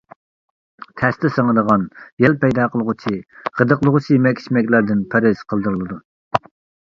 تەستە سىڭىدىغان، يەل پەيدا قىلغۇچى، غىدىقلىغۇچى يېمەك-ئىچمەكلەردىن پەرھىز قىلدۇرۇلىدۇ.